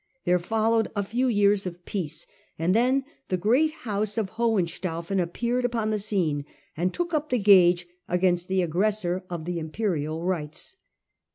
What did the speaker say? There followed a few years of peace, and then the great house of Hohen staufen appeared upon the scene and took up the gage against the aggressor of the Imperial rights.